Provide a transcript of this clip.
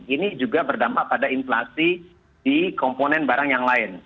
ini juga berdampak pada inflasi di komponen barang yang lain